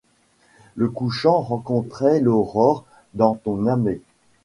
Le couchant rencontrait l'aurore dans ton âmè ;